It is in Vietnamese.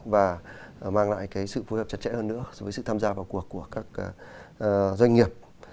và mang lại cái sự phối hợp chặt chẽ hơn nữa với sự tham gia vào cuộc của các doanh nghiệp